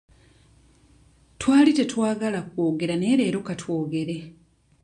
Twali tetwagala kwogera naye leero katwogere.